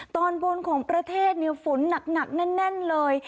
ตอนบนของประเทศฝนหนักแน่นเลย